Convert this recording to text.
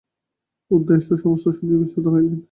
উদয়াদিত্য সমস্ত শুনিয়া বিস্মিত হইলেন।